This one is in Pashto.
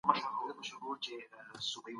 هغوی کولی شي د ټولنې په پرمختګ کې مرسته وکړي.